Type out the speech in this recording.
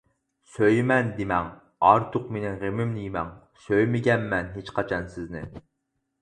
سۆيىمەن دېمەڭ ئارتۇق مېنىڭ غېمىمنى يېمەڭ، سۆيمىگەنمەن ھېچقاچان سىزنى.